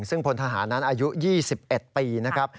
ซึ่งพลทหารนั้นอายุ๒๑ปีนะครับ